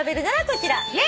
こちら。